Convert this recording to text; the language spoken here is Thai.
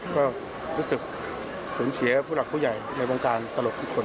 ก็รู้สึกสูญเสียผู้หลักผู้ใหญ่ในวงการตลกทุกคน